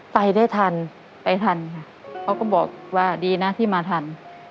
ไปได้ทันไปทันค่ะเขาก็บอกว่าดีนะที่มาทัน